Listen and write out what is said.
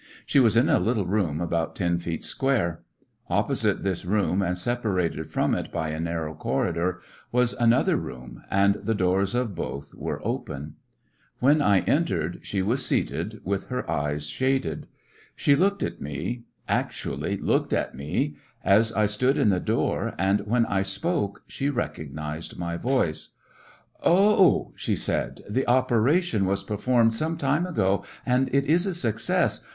She was in a little room about ten feet square. Opposite this room, and sep arated from it by a narrow corridor, was an other room, and the doors of both were open. When I entered she was seated, with her eyes shaded. She looked at me —• actually looked at me— as I stood in the door, and when I spoke she recognized my voice. 9 HecoCCectioiis of a '* I can seer* "Oh!" she said, "the operation was per formed some time ago, and it is a success.